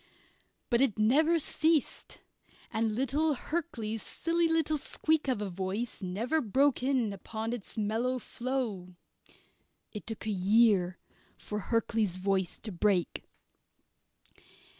But it never ceased, and little Hurkley's silly little squeak of a voice never broke in upon its mellow flow. (It took a year for Hurkley's voice to break.)